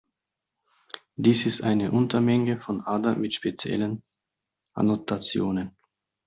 Dies ist eine Untermenge von Ada mit speziellen Annotationen.